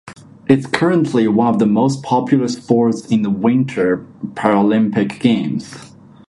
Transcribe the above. It is currently one of the most popular sports in the Winter Paralympic Games.